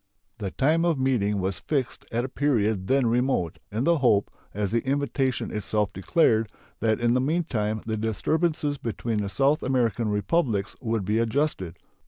The time of meeting was fixed at a period then remote, in the hope, as the invitation itself declared, that in the meantime the disturbances between the South American Republics would be adjusted.